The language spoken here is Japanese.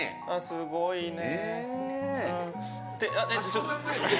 すごいね。